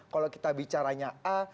kalau kita bicaranya a